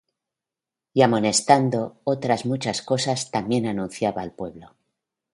Y amonestando, otras muchas cosas también anunciaba al pueblo.